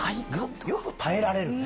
よく耐えられるね。